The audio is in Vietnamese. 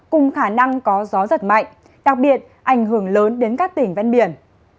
cùng khả năng có gió giật mạnh đặc biệt ảnh hưởng lớn đến các tỉnh ven biển